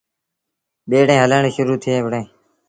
ٻيٚڙيٚن هلڻ شرو ٿئي وُهڙيٚن۔